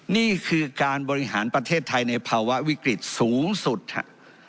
นี่คือการบริหารประเทศไทยในภาวะวิกฤตสูงสุดครับ